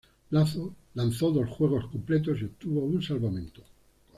Lanzó dos juegos completos y obtuvo un salvamento.